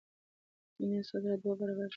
برېټانیا صادرات دوه برابره شول.